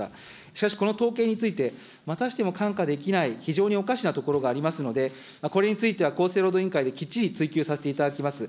しかし、この統計について、またしても看過できない、非常におかしなところがありますので、これについては厚生労働委員会できっちり追及させていただきます。